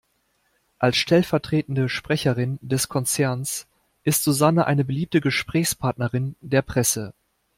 Als stellvertretende Sprecherin des Konzerns ist Susanne eine beliebte Gesprächspartnerin der Presse.